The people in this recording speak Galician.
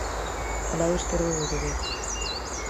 O lado esquerdo do devezo.